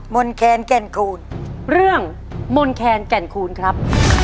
นแคนแก่นคูณเรื่องมนแคนแก่นคูณครับ